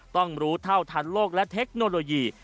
ต้องรู้เท่าทันโลกและเทคโนโลยี